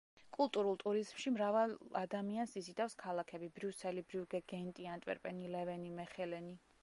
კულტურულ ტურიზმში მრავალ ადამიანს იზიდავს ქალაქები: ბრიუსელი, ბრიუგე, გენტი, ანტვერპენი, ლევენი, მეხელენი.